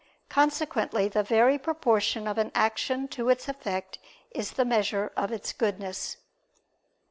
Consequently the very proportion of an action to its effect is the measure of its goodness.